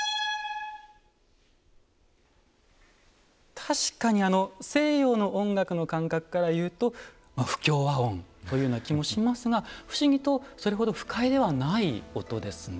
確かにあの西洋の音楽の感覚から言うと不協和音というような気もしますが不思議とそれほど不快ではない音ですね。